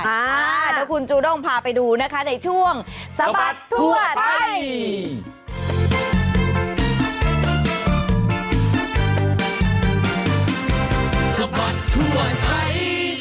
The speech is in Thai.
อ่าเดี๋ยวคุณจูด้งพาไปดูนะคะในช่วงสะบัดทั่วไทย